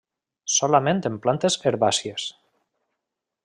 Solament en plantes herbàcies.